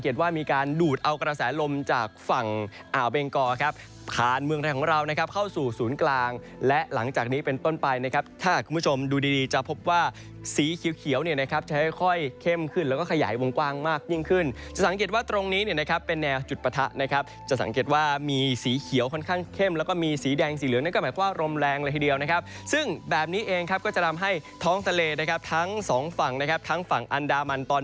การณ์เมืองแรกของเรานะครับเข้าสู่ศูนย์กลางและหลังจากนี้เป็นต้นไปนะครับถ้าคุณผู้ชมดูดีดีจะพบว่าสีเขียวเขียวเนี่ยนะครับจะให้ค่อยเข้มขึ้นแล้วก็ขยายวงกว้างมากยิ่งขึ้นจะสังเกตว่าตรงนี้เนี่ยนะครับเป็นแนวจุดประทะนะครับจะสังเกตว่ามีสีเขียวค่อนข้างเข้มแล้วก็มีสีแดงสีเหลืองนี่ก็หมายความ